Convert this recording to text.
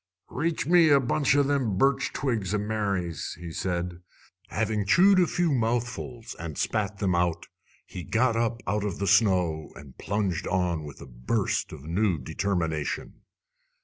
"Reach me a bunch o' them birch twigs o' Mary's," he said. Having chewed a few mouthfuls and spat them out, he got up out of the snow and plunged on with a burst of new determination.